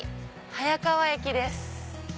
早川駅です。